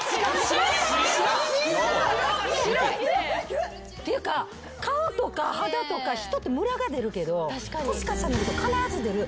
白い！っていうか顔とか肌とか人ってむらが出るけど年重ねると必ず出る。